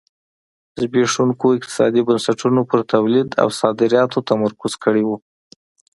زبېښونکو اقتصادي بنسټونو پر تولید او صادراتو تمرکز کړی و.